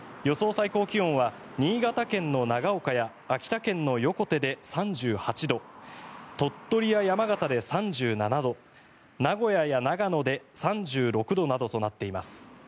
最高気温は新潟県の長岡や秋田県の横手で３８度鳥取や山形で３７度名古屋や長野で３６度などとなっています。